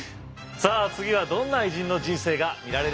さあ次はどんな偉人の人生が見られるのでしょうか。